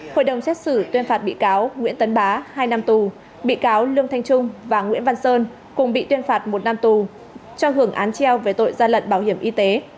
hội đồng xét xử tuyên phạt bị cáo nguyễn tấn bá hai năm tù bị cáo lương thanh trung và nguyễn văn sơn cùng bị tuyên phạt một năm tù cho hưởng án treo về tội gian lận bảo hiểm y tế